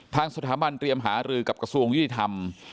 ทางสถาบันเตรียมหารือกับกระทรวงยุติธรรม